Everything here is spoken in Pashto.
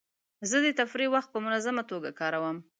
زه د تفریح وخت په منظمه توګه کاروم.